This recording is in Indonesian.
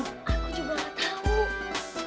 aku juga enggak tahu